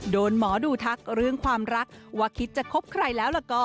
หมอดูทักเรื่องความรักว่าคิดจะคบใครแล้วล่ะก็